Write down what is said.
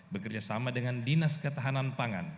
bekerja sama dengan dinas ketahanan pangan